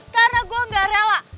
karena gue gak rela